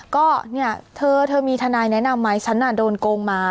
ก็เนี่ยเธอมีทนายแนะนำไหมฉันโดนโกงมา